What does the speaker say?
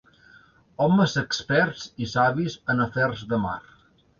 Homes experts i savis en afers de mar.